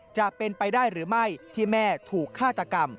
จะเป็นไปได้หรือไม่ที่แม่ถูกฆาตกรรม